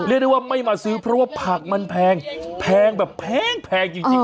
เรียกได้ว่าไม่มาซื้อเพราะว่าผักมันแพงแพงแบบแพงจริง